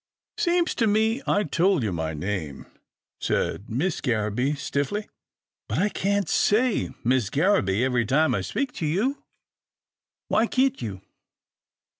" Seems to me I tole you my name," said Miss Garraby, stiffly. But I can't say ' Miss Garraby ' every time I speak to you." " Why kint you?"